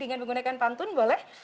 dengan menggunakan pantun boleh